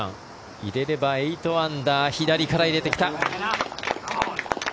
入れれば８アンダー左から入れてきた。